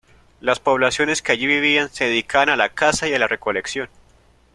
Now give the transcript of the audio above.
Las poblaciones que allí vivían se dedicaban a la caza y a la recolección.